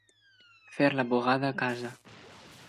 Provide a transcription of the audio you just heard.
Fer la bugada a casa.